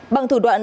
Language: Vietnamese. bằng thủ đoạn